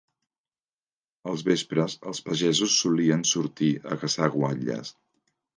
Als vespres, els pagesos solien sortir a caçar guatlles